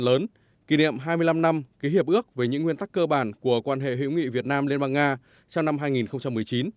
đặc biệt diễn ra trước thềm các sự kiện lớn kỷ niệm hai mươi năm năm ký hiệp ước về những nguyên tắc cơ bản của quan hệ hiếu nghị việt nam liên bang nga trong năm hai nghìn một mươi chín